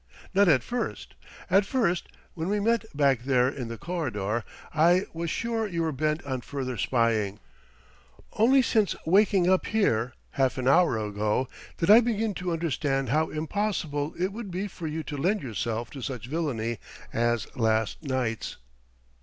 "Not at first.... At first, when we met back there in the corridor, I was sure you were bent on further spying. Only since waking up here, half an hour ago, did I begin to understand how impossible it would be for you to lend yourself to such villainy as last night's."